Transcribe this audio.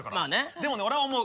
でもね俺は思う。